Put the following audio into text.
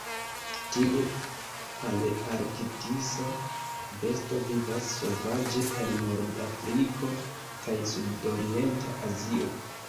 Tiu palearktisa besto vivas sovaĝe en Nord-Afriko kaj sudorienta Azio.